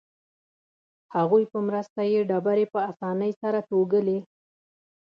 هغوی په مرسته یې ډبرې په اسانۍ سره توږلې.